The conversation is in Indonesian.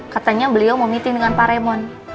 katanya beliau mau meeting dengan pak raymond